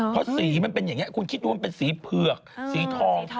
เพราะสีมันเป็นอย่างนี้คุณคิดดูมันเป็นสีเผือกสีทอง